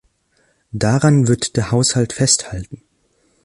Daran wird der Haushalt festhalten.